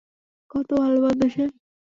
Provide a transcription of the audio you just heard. কত ভাল বান্দা সে!